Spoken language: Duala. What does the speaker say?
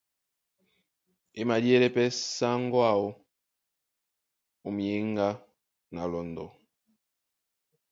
E madíɛlɛ́ pɛ́ sáŋgó áō ó muyéŋgá na ó lɔndɔ.